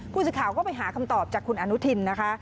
ผู้สื่อข่าวก็ไปหาคำตอบจากคุณอนุทินนะคะ